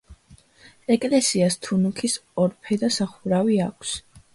ეკლესიას თუნუქის ორფერდა სახურავი აქვს.